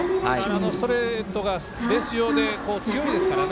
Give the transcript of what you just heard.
あのストレートがベース上で強いですから。